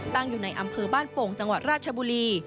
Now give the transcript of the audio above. ตั้งอยู่ในอำเภอบ้านโป่งจังหวัดราชบุรี